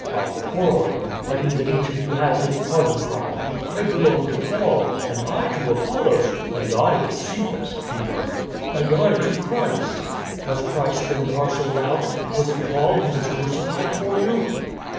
By ' quarrelling ' I mean that each of you has his party cry, ' I belong to Paul,' * and I to Apollos,' ' and I to Cephas (Peter),' 'and I to Christ' Has Christ been par celled out? Was it Paul who was crucified for you?